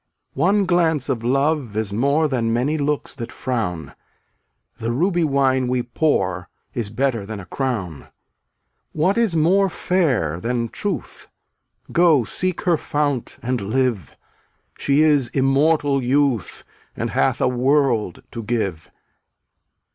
242 One glance of love is more Than many looks that frown; The ruby wine we pour, Is better than a crown. What is more fair than Truth? Go, seek her fount and live; She is immortal youth And hath a world to give.